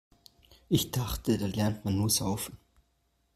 Ich dachte, da lernt man nur Saufen.